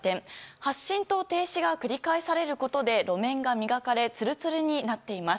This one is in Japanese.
発進と停止が繰り返されることで路面が磨かれつるつるになっています。